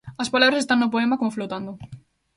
As palabras están no poema como flotando.